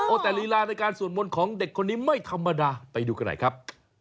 แต่ลีลาในการสวดมนต์ของเด็กคนนี้ไม่ธรรมดาไปดูกันหน่อยครับ